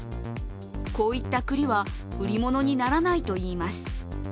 こういった栗は売り物にならないといいます。